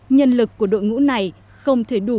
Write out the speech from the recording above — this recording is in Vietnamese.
nhân lực của đội ngũ này không thể đủ